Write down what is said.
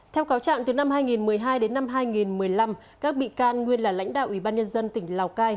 theo cáo trạng từ năm hai nghìn một mươi hai đến năm hai nghìn một mươi năm các bị can nguyên là lãnh đạo ủy ban nhân dân tỉnh lào cai